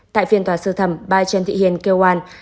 tại phiên tòa sơ thẩm bà trần thị hiền kêu an